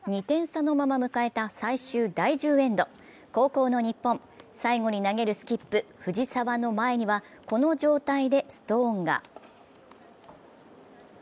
２点差のまま迎えた最終第１０エンド後攻の日本、最後に投げるスキップ・藤澤の前には、この状態でストーンが。